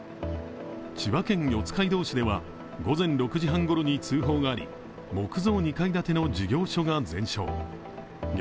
千葉県四街道市では午前６時半ごろに通報があり木造２階建ての事業所が全焼。